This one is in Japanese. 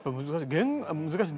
弦難しい。